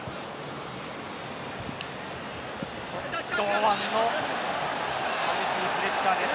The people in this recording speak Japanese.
堂安のプレッシャーです。